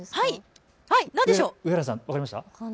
上原さん分かりましたか？